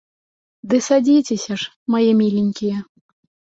Ды садзіцеся ж, мае міленькія!